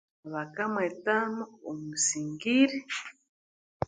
Bakamwetamu musingiri